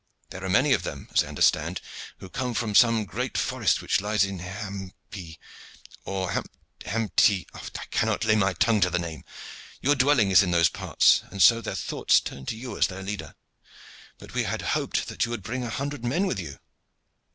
There are many of them, as I understand, who come from some great forest which lies in Hampi, or Hampti I cannot lay my tongue to the name. Your dwelling is in those parts, and so their thoughts turned to you as their leader. But we had hoped that you would bring a hundred men with you."